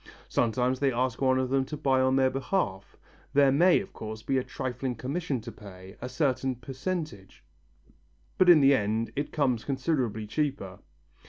Sometimes they ask one of them to buy on their behalf. There may, of course, be a trifling commission to pay, a certain percentage, but in the end it comes considerably cheaper.